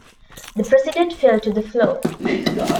The President fell to the floor.